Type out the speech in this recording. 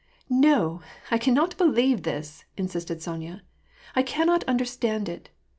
"No, I cannot believe this," insisted Sonya. "I cannot understand it.